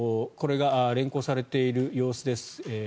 これが連行されている様子です。